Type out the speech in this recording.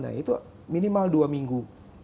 nah itu minimal dua minggu